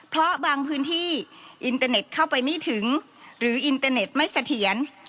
เพราะบางพื้นที่อินเตอร์เน็ตเข้าไปไม่ถึงหรืออินเตอร์เน็ตไม่เสถียร